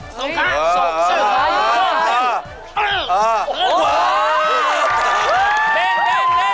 ส่งค้าอยู่ข้างใน